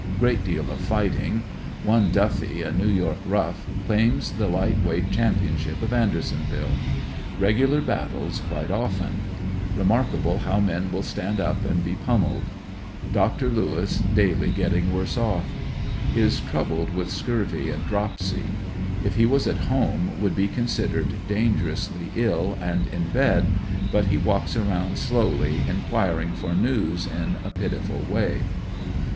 Great deal of fighting. One Duffy, a New York rough, claims the light weight championship of Andersonville. Regular battles quite often. Remarkable how men will stand up and be pummeled. Dr. Lewis daily gettmg worse off. Is troubled with scurvy and dropsy. If he was at home would be considered dan gerously ill and in bed, but he walks around slowly inquiring for news in a pitiful way.